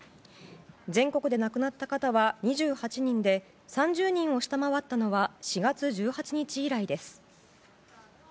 全国で亡くなった方は２８人で３０人を下回ったのは４月１８日以来です。